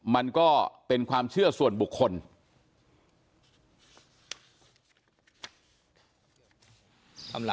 มันก็เป็นความเชื่อส่วนบุคคล